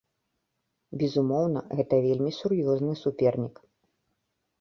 Безумоўна, гэта вельмі сур'ёзны супернік.